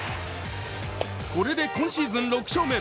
これで今シーズン６勝目。